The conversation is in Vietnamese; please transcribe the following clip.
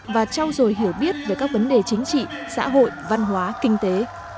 và trao dồi hiểu biết về các vấn đề chính trị xã hội văn hóa kinh tế